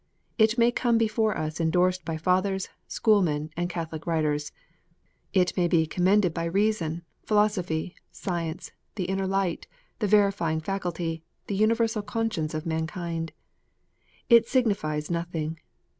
It may come before us endorsed by Fathers, schoolmen, and catholic writers; it may be commended by reason, philosophy, science, the inner light, the verifying faculty, the universal conscience of mankind. It signifies nothing.